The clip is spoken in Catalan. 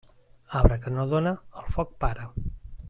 Arbre que no dóna, al foc para.